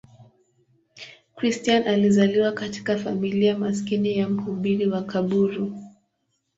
Christian alizaliwa katika familia maskini ya mhubiri makaburu.